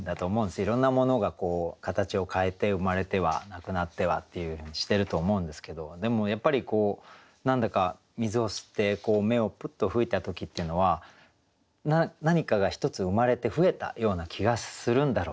いろんなものがこう形を変えて生まれてはなくなってはっていうふうにしてると思うんですけどでもやっぱりこう何だか水を吸って芽をプッと吹いた時っていうのは何かが１つ生まれて増えたような気がするんだろうなと思って。